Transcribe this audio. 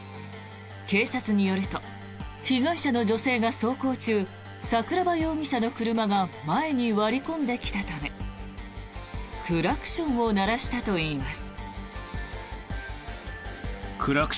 警察によると被害者の女性が走行中桜庭容疑者の車が前に割り込んできたためクラクションを鳴らしたといいます。